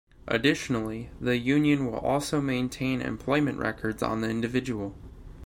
Additionally, the union will also maintain employment records on the individual.